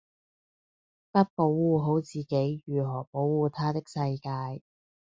不保護好自己如何保護她的世界